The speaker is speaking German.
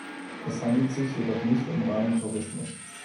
Es handelt sich jedoch nicht um reinen Tourismus.